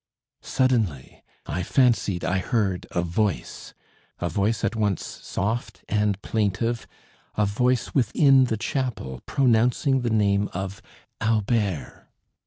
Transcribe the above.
Suddenly I fancied I heard a voice! A voice at once soft and plaintive; a voice within the chapel, pronouncing the name of "Albert!"